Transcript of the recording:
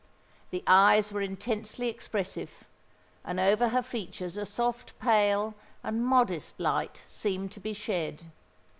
The eyes were intensely expressive; and over her features a soft, pale, and modest light seemed to be shed.